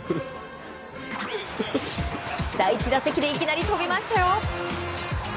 第１打席でいきなり飛び出しました。